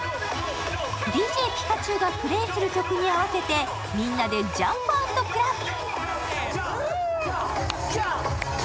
ＤＪピカチュウがプレーする曲に合わせてみんなでジャンプ＆クラップ。